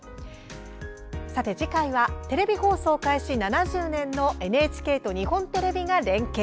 さて、次回はテレビ放送開始７０年のＮＨＫと日本テレビが連携。